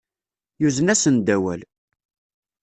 Yuzen-asen-d awal.